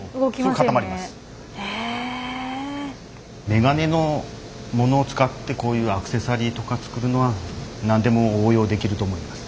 メガネのものを使ってこういうアクセサリーとか作るのは何でも応用できると思います。